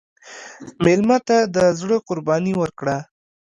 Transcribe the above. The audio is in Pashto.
مېلمه ته د زړه قرباني ورکړه.